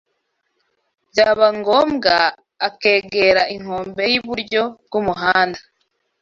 byaba ngombwa, akegera inkombe y'iburyo bw'umuhanda